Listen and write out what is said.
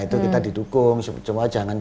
itu kita didukung cuma jangan